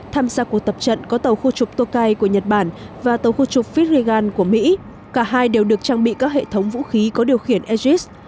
tham gia cuộc tập trận có tàu khu trục tokai của nhật bản và tàu khu trục fitrigan của mỹ cả hai đều được trang bị các hệ thống vũ khí có điều khiển edgis